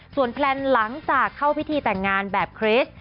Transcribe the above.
ส่วนแพลนหลังจากเข้าพิธีแต่งงานแบบคริสต์